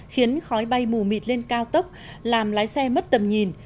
khiến khói bay mù mịt lên cao tốc làm lái xe mất tầm nhìn